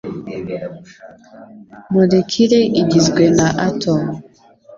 Molekile igizwe na atome.